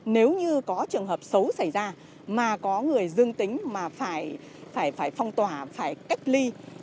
nếu như có trường hợp xấu xảy ra mà có người dương tính mà phải phong tỏa phải cách ly